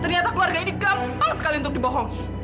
ternyata keluarga ini gampang sekali untuk dibohongi